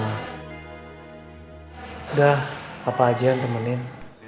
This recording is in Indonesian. sudah apa aja yang temenin